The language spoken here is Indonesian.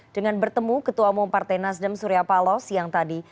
dengan bertemu ketua umum partai nasdem surya paloh siang tadi